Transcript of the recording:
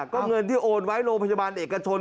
ก็เงินที่โอนไว้โรงพยาบาลเอกชน